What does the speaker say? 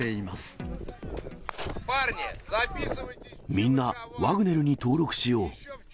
みんな、ワグネルに登録しよう。